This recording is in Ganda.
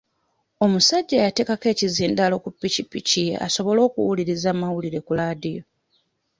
Omusajja yateekako ekizindalo ku piki piki ye asobole okuwuliriza amawulire ku laadiyo.